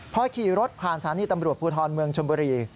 พอขี่รถผ่านสถานีตำรวจภูทรเมืองชมบุรี